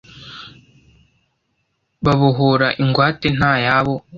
babohora ingwate nta yabo